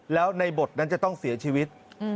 แล้วในบทนั้นจะต้องเสียชีวิต